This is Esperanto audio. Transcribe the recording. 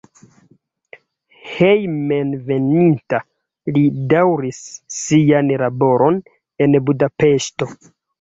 Hejmenveninta li daŭris sian laboron en Budapeŝto.